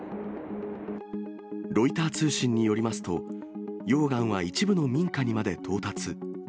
ロイター通信によりますと、溶岩は一部の民家にまで到達。